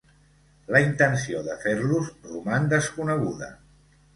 La intenció de fer-los roman desconeguda.